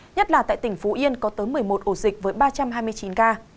nhất là tại tỉnh phú yên có tới một mươi một ổ dịch với ba trăm hai mươi chín ca